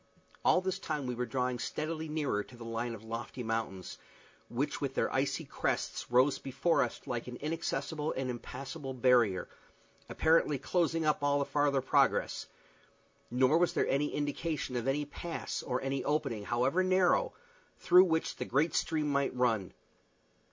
All this time we were drawing steadily nearer to the line of lofty mountains, which with their icy crests rose before us like an inaccessible and impassable barrier, apparently closing up all farther progress; nor was there any indication of any pass or any opening, however narrow, through which the great stream might run.